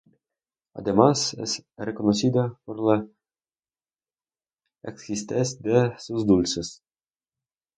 Además, es reconocida por la exquisitez de sus dulces.